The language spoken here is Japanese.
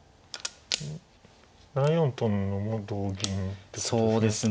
７四取んのも同銀ってことですね。